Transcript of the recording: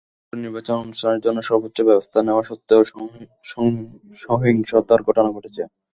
সুষ্ঠু নির্বাচন অনুষ্ঠানের জন্য সর্বোচ্চ ব্যবস্থা নেওয়া সত্ত্বেও সহিংসতার ঘটনা ঘটেছে।